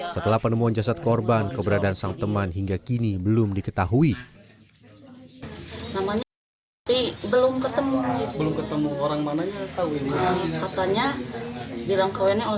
setelah penemuan jasad korban keberadaan sang teman hingga kembali ke rumah wt menemukan korban yang dikenal